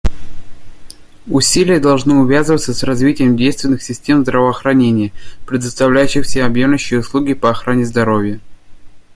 Усилия должны увязываться с развитием действенных систем здравоохранения, предоставляющих всеобъемлющие услуги по охране здоровья.